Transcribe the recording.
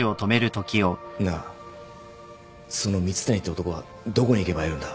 なあその蜜谷って男はどこに行けば会えるんだ？